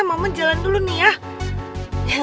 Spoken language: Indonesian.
momen jalan dulu nih ya